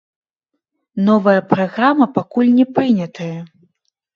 Новая праграма пакуль не прынятая.